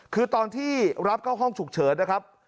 คือตอนที่รับเข้าห้องฉุกเฉินนะครับ